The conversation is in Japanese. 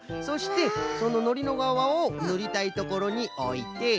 そしてそののりのがわをぬりたいところにおいて。